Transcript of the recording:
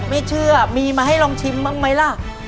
ไม่เชื่อมีมาให้ลองชิมบ้างไหมล่ะ